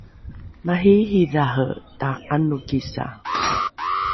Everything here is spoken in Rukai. mariiridhare ta’anokisa